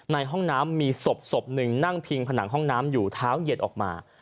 ในห้องน้ำมีศพหนึ่งนั่งพิงผนังห้องน้ำอยู่เท้าเย็นออกมา